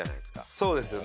そうですよね。